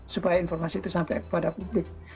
supaya informasi itu sampai kepada publik